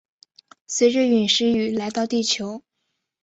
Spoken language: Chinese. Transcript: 随着殒石雨来到地球的。